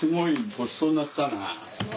ごちそうになったな。ね！